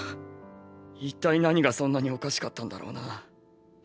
一体何がそんなにおかしかったんだろうな。